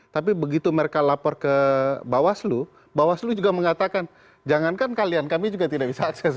tapi begitu mereka lapor ke bawaslu bawaslu juga mengatakan jangankan kalian kami juga tidak bisa akses